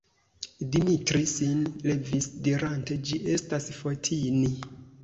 Dimitri sin levis dirante: «Ĝi estas Fotini! »